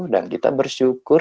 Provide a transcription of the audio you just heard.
dan kita bersyukur